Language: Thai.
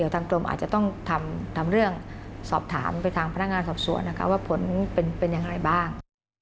ทำเรื่องสอบถามไปทางพนักงานสอบส่วนนะคะว่าผลเป็นอย่างไรบ้าง